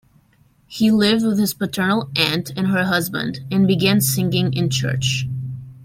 He lived with his paternal aunt and her husband, and began singing in church.